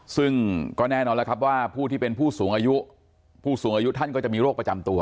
ซึ่งก็แน่นอนแล้วครับว่าผู้ที่เป็นผู้สูงอายุผู้สูงอายุท่านก็จะมีโรคประจำตัว